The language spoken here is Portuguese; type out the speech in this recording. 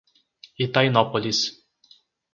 Itainópolis